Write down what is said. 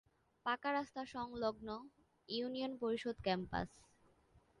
পাকা রাস্তা সংলগ্ন ইউনিয়ন পরিষদ ক্যাম্পাস।